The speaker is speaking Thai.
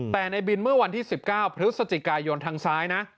แต่ในบินเมื่อวันที่๑๙พฤศจิกายนทางซ้ายนะ